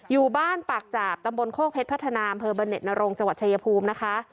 อยู่บ้านปากจาบตำบลโครกเพชรพัฒนามเนตนรงค์จังหวัดชายยภูมินะคะ